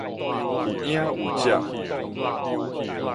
有影有跡